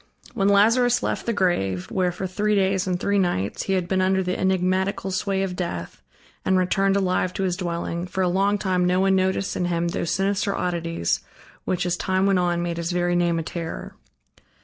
I When Lazarus left the grave, where, for three days and three nights he had been under the enigmatical sway of death, and returned alive to his dwelling, for a long time no one noticed in him those sinister oddities, which, as time went on, made his very name a terror.